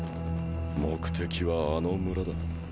目的はあの村だ。